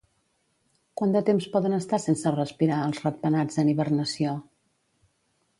Quant de temps poden estar sense respirar els ratpenats en hibernació?